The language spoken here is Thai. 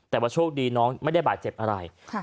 แต่ว่าโชคดีน้องไม่ได้บาดเจ็บอะไร